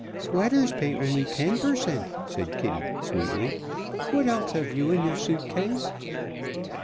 "Sweaters pay only ten per cent.," said Kitty sweetly. "What else have you in your suit case?"